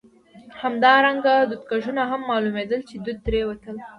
همدارنګه دودکشونه هم معلومېدل، چې دود ترې وتل.